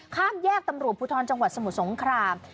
ข้ามแยกตำรวจภูทรจังหวัดสมุทรสงคราม